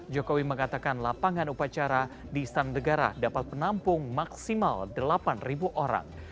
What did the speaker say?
jokowi mengatakan lapangan upacara di istana negara dapat menampung maksimal delapan orang